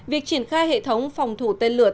việc triển khai hệ thống phòng thủ tên lửa